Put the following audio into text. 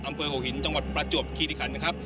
อำเภอหัวหินจังหวัดประจวบคิริขันนะครับ